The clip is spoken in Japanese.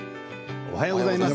おはようございます。